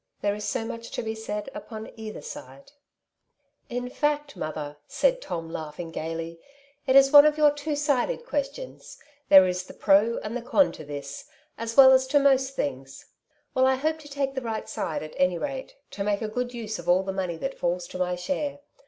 There is so much to be said upon either side.*' Castles in tlie Air. 35 "In fact, mother," said Tom, laughing gaily, *'it is one of your two sided questions. There is the 'pro and the con to this, as well as to most things. Well, I hope to take the right side — at any rate, to make a good use of all the money that falls to my share.